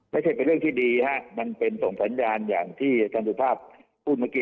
ไม่ใช่เป็นเรื่องที่ดีฮะมันเป็นส่งสัญญาณอย่างที่ท่านสุภาพพูดเมื่อกี้